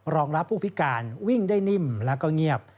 รองรับผู้พิการวิ่งได้นิ่มแล้วก็เงียบ